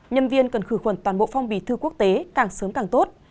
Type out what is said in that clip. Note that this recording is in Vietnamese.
nhân viên cần khử khuẩn toàn bộ phong bì thư quốc tế càng sớm càng tốt